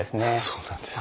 そうなんです。